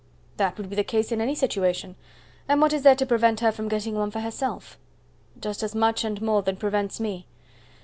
"That would be the case in any situation; and what is there to prevent her from getting one for herself?" "Just as much and more than prevents me.